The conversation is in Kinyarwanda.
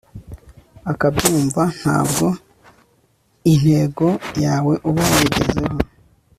akabyumva ntabwo intego yawe uba wayigezeho